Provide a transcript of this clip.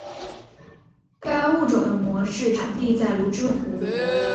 该物种的模式产地在芦之湖。